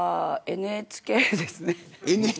ＮＨＫですね。